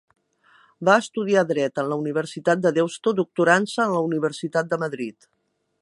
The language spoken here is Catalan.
Va estudiar Dret en la Universitat de Deusto, doctorant-se en la Universitat de Madrid.